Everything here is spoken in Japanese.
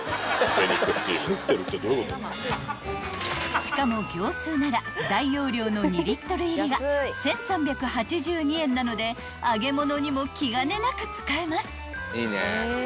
［しかも業スーなら大容量の２リットル入りが１，３８２円なので揚げ物にも気兼ねなく使えます］